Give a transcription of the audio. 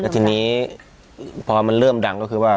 ทีนี้พอมันเริ่มดังก็คือว่า